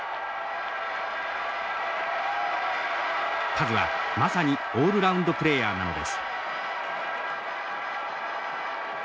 カズはまさにオールラウンドプレーヤーなのです。